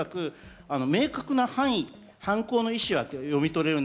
明確な範囲、犯行の意思は読み取れる。